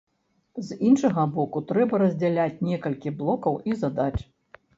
З іншага боку, трэба раздзяляць некалькі блокаў і задач.